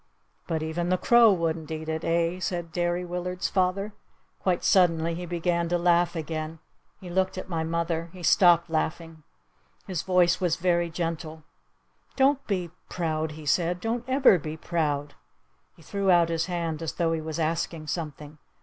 "But even the crow wouldn't eat it, eh?" said Derry Willard's father. Quite suddenly he began to laugh again. He looked at my mother. He stopped laughing. His voice was very gentle. "Don't be proud," he said. "Don't ever be proud." He threw out his hand as tho he was asking something.